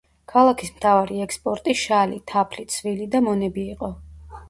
ქალაქის მთავარი ექსპორტი შალი, თაფლი, ცვილი და მონები იყო.